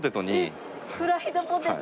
えっフライドポテト。